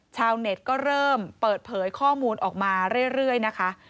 ชาวเน็ตก็เริ่มเปิดเผยข้อมูลออกมาเรื่อยนะคะ